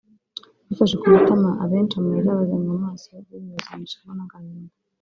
bifashe ku matama abenshi amarira abazenga mu maso bimyozana ishavu n’agahinda